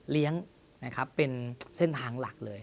เลี้ยงเป็นเส้นทางหลักเลย